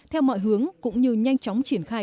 theo mọi hướng cũng như nhanh chóng triển khai